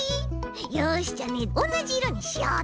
よしじゃあねおんなじいろにしようっと。